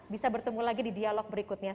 bisa bertemu lagi di dialog berikutnya